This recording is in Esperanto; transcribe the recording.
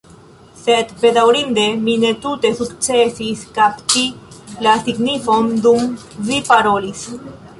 Sed, bedaŭrinde mi ne tute sukcesis kapti la signifon dum vi parolis."